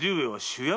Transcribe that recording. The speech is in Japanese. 主役？